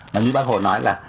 như bác hồ nói là